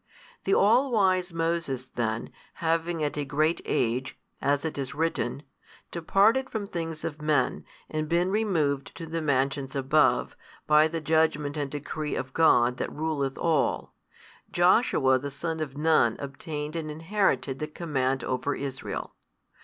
The all wise Moses then, having at a great age (as it is written) departed from things of men and been removed to the mansions above, by the judgment and decree of God That ruleth all, Joshua the son of Nun obtained and inherited the command over Israel.